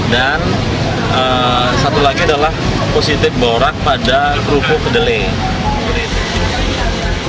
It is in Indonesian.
dan satu lagi adalah positif borak pada rufuk delay